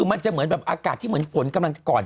คือมันจะเหมือนแบบอากาศที่เหมือนฝนกำลังก่อน